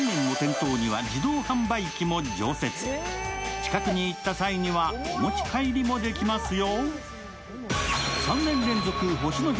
近くに行った際にはお持ち帰りもできますよ。